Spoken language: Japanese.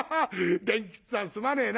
伝吉っつぁんすまねえな。